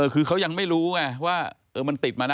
คือเขายังไม่รู้ไงว่ามันติดมานะ